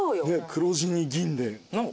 黒地に銀で。